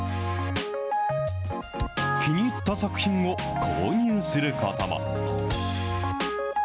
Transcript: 気に入った作品を購入することも。